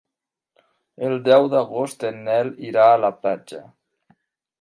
El deu d'agost en Nel irà a la platja.